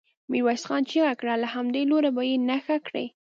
ميرويس خان چيغه کړه! له همدې لوړو يې په نښه کړئ.